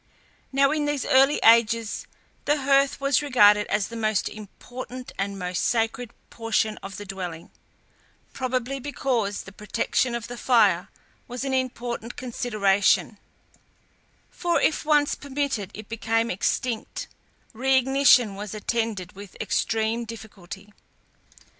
Now in these early ages the hearth was regarded as the most important and most sacred portion of the dwelling, probably because the protection of the fire was an important consideration, for if once permitted to become extinct, re ignition was attended with extreme difficulty.